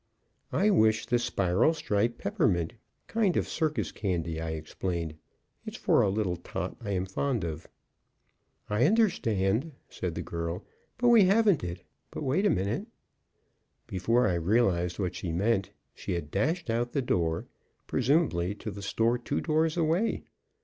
"I wish the spiral striped peppermint, kind of circus candy," I explained. "It's for a little tot I am fond of." "I understand," said the girl, "but we haven't it, but wait a minute." Before I realized what she meant, she had dashed out the door, presumably to the store two doors away.